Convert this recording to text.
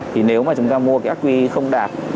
thì nếu mà chúng ta mua cái ác quy không đạt